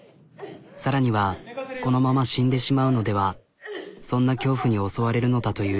更にはこのまま死んでしまうのではそんな恐怖に襲われるのだという。